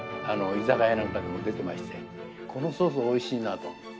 居酒屋なんかでも出てましてこのソースおいしいなと。